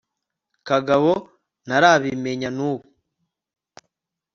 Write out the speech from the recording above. kagabo ntarabimenya nubu